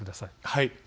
はい。